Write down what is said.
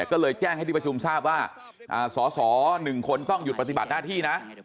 ก็เลยแจ้งให้ที่ประชุมทราบว่าสส๑คนต้องหยุดปฏิบัติหน้าที่นะ